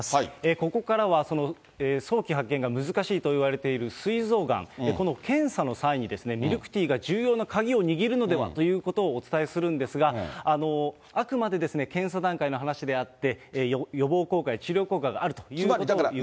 ここからは、その早期発見が難しいといわれているすい臓がん、この検査の際に、ミルクティーが重要な鍵を握るのではということをお伝えするんですが、あくまで、検査段階の話であって、予防効果や治療効果があるということをいうのではありません。